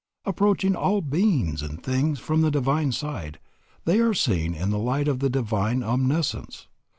Approaching all beings and things from the divine side, they are seen in the light of the Divine Omniscience.